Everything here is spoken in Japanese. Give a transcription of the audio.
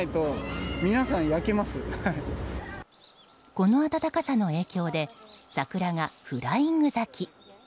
この暖かさの影響で桜がフライング咲き。